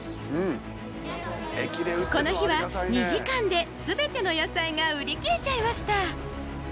この日は２時間ですべての野菜が売り切れちゃいました！